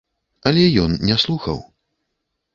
Але ён не слухаў.